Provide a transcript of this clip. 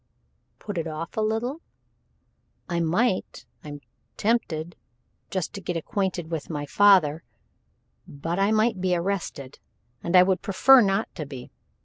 "Put it off a little? I might I'm tempted just to get acquainted with my father but I might be arrested, and I would prefer not to be.